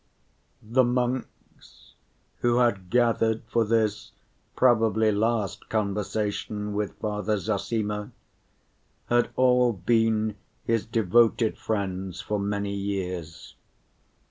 The monks, who had gathered for this probably last conversation with Father Zossima, had all been his devoted friends for many years.